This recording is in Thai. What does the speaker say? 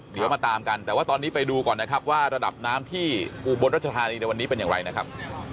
เดี๋ยวมาตามกันแต่ว่าตอนนี้ไปดูก่อนนะครับว่าระดับน้ำที่อุบลรัชธานีในวันนี้เป็นอย่างไรนะครับ